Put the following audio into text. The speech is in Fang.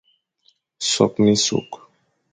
Sokh minsokh,